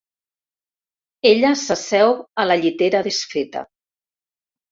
Ella s'asseu a la llitera desfeta.